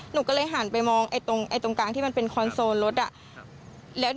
หนูก็เลยหันไปมองตรงกลางที่มันเป็นคอนโซลรถ